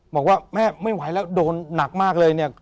บอกว่าแม่ไม่ไหวแล้วโดนหนักมากเลยเนี่ย